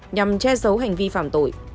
nhằm che giấu hành vi phạm tội